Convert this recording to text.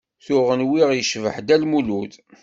Tuɣ nwiɣ yecbeḥ Dda Lmulud.